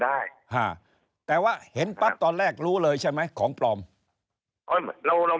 ห้าแต่ว่าเห็นปั๊บตอนแรกรู้เลยใช่ไหมของปลอมอ๋อเราเรา